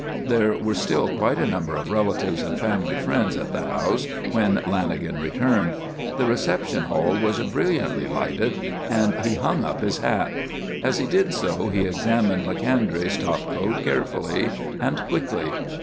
There were still quite a number of relatives and family friends at the house when Lanagan returned. The reception hall was brilliantly lighted, and he hung up his hat. As he did so he examined Macondray's topcoat carefully and quickly.